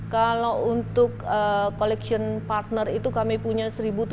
kalau untuk collection partner itu kami punya seribu tujuh ratus tujuh puluh tiga